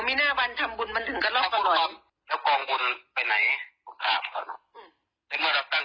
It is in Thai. มินาบันทำบุญมันถึงกันรอบอร่อยแล้วกองบุญไปไหนกูถามก่อนอืม